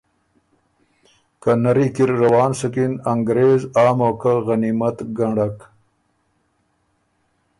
که نری کی روان سُکِن انګرېز آ موقع غنیمت ګنړک